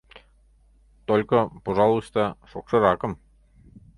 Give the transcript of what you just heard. Только, пожалуйста, шокшыракым.